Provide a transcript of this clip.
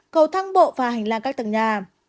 cầu thang bộ và hành lang các tầng nhà